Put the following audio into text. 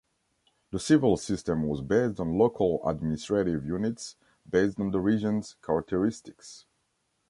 The civil system was based on local administrative units based on the region's characteristics.